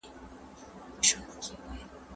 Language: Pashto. زه اوس په میدان کې د نورو انتظار کوم.